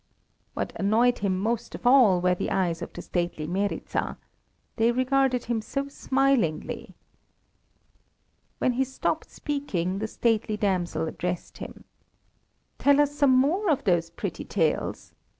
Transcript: What annoyed him most of all were the eyes of the stately Meryza; they regarded him so smilingly. When he stopped speaking the stately damsel addressed him "Tell us some more of those pretty tales!"